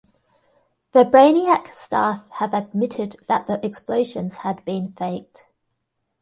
The "Brainiac" staff have admitted that the explosions had been faked.